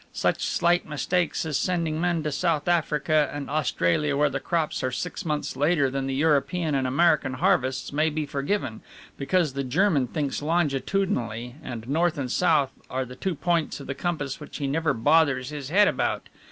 Such slight mistakes as sending men to South Africa and Australia where the crops are six months later than the European and American harvests may be forgiven, because the German thinks longitudinally, and north and south are the two points of the compass which he never bothers his head about.